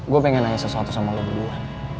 gue pengen nanya sesuatu sama gue berdua